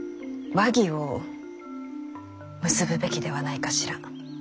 和議を結ぶべきではないかしら？